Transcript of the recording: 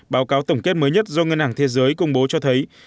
báo cáo tổng kết mới nhất do ngân hàng thế giới công bố cho thấy